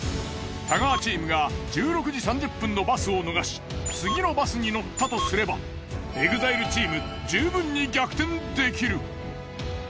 太川チームが１６時３０分のバスを逃し次のバスに乗ったとすればＥＸＩＬＥチーム十分に逆転できる。